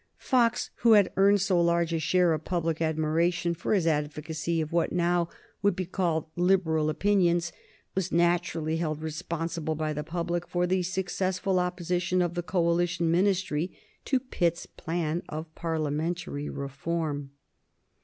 Fox, who had earned so large a share of public admiration for his advocacy of what now would be called liberal opinions, was naturally held responsible by the public for the successful opposition of the Coalition Ministry to Pitt's plan of Parliamentary reform.